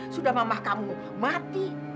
sudah mama kamu mati